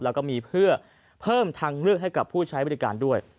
แล้วก็มีเพื่อเพิ่มทางเลือกให้กับผู้ใช้บริการด้วย